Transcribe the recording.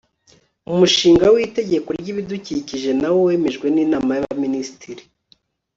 umushinga w'itegeko ry'ibidukikije nawo wemejwe n'inama y'abaminisitiri